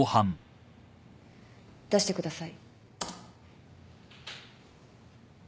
出してください。